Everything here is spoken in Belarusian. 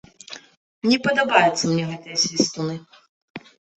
Не падабаюцца мне гэтыя свістуны.